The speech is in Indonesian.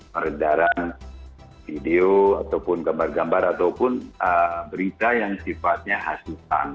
peredaran video ataupun gambar gambar ataupun berita yang sifatnya hasutan